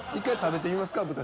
１回食べてみますか？